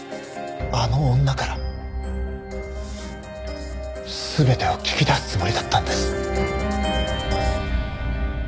あの女から全てを聞き出すつもりだったんです。